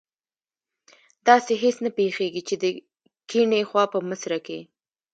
داسې هېڅ نه پیښیږي چې د کیڼي خوا په مصره کې.